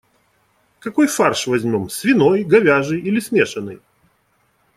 Какой фарш возьмём - свиной, говяжий или смешанный?